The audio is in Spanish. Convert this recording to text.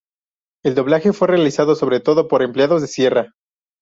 El doblaje fue realizado sobre todo por empleados de Sierra.